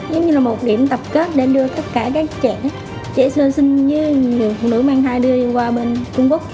giống như là một điểm tập kết để đưa tất cả các trẻ trẻ sơ sinh như người phụ nữ mang hai đứa qua bên trung quốc